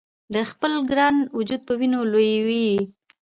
د خپل ګران وجود په وینو لویوي یې